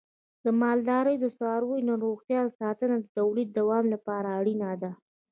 د مالدارۍ د څارویو روغتیا ساتنه د تولید د دوام لپاره اړینه ده.